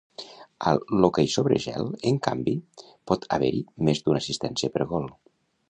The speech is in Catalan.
A l'hoquei sobre gel, en canvi, pot haver-hi més d'una assistència per gol.